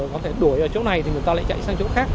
có thể đuổi ở chỗ này thì người ta lại chạy sang chỗ khác